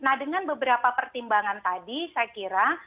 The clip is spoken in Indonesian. nah dengan beberapa pertimbangan tadi saya kira